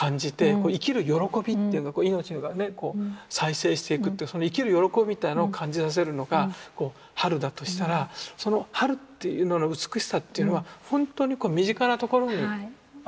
生きる喜びっていうのこう命がね再生していくっていうその生きる喜びみたいなのを感じさせるのが春だとしたらその春っていうのの美しさっていうのは本当に身近なところにあるんだよと。